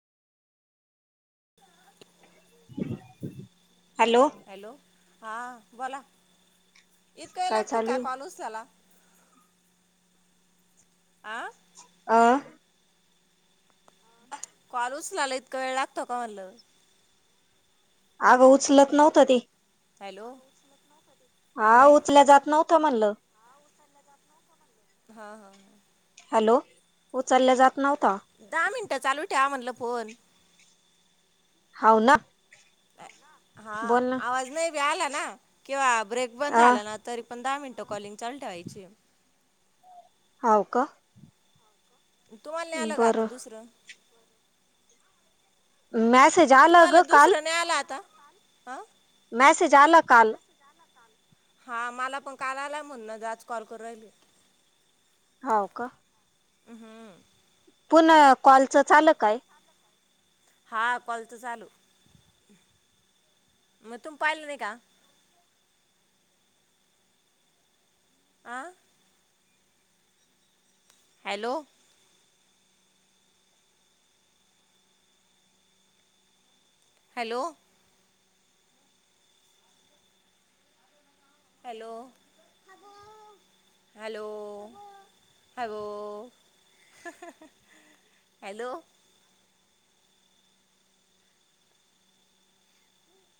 Hello हा बोला इतकां वेळ लागतो काय चालू आहे कॉल उसल्याला आ आ कॉल उचलला इतका वेळ लागतो का म्हटल आगं उचलत नव्हता ते हॅलो हा नाही उचल्या जात नव्हत त म्हणलं हा हा हा हॅलो उचलले का? नव्हता दहा मिनटं चालू ठ्या म्हणलं फोन हाव ना हा बोल ना आवाज नाही ब आला ना केव्हा? ब्रेक बंद अ झाला ना तरी पण दहा मिनटं कॉलिंग चालू ठेवाय [unintelligible] होव का तुम्हाला न आलं का आता बरं दुसरं मॅस तुम्हाला दुसरं नाही आला आता? आा मैसेज आला काल हा मला पण काल आला म्हण न आज कॉल करू राहिले. हो का अम् हम पुण कॉलचं चाल काय हा कॉल च चालू म तुम्ही पायल नाही का? आं हॅलो हॅलो हॅलो हॅलो हो हॅलो